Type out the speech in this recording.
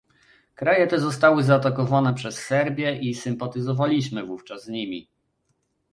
Kraje te zostały zaatakowane przez Serbię i sympatyzowaliśmy wówczas z nimi